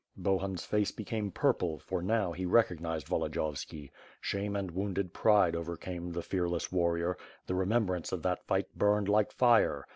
Bohun's face became purple, for now he recognized Volodi yovski. Shame and wounded pride overcame the fearless war rior; the remembrance of that fight burned like fire.